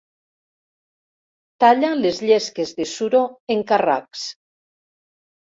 Talla les llesques de suro en carracs.